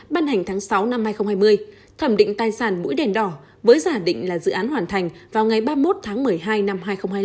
ban hành tháng sáu năm hai nghìn hai mươi thẩm định tài sản mũi đèn đỏ với giả định là dự án hoàn thành vào ngày ba mươi một tháng một mươi hai năm hai nghìn hai mươi năm